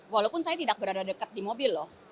walaupun saya tidak berada dekat di mobil loh